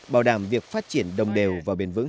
bảo đảm việc phát triển đồng đều và bền vững